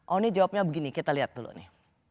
oni jawabnya begini kita lihat dulu nih